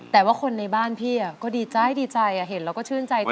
แต่ว่าคนในบ้านพี่ก็ดีใจดีใจเห็นแล้วก็ชื่นใจ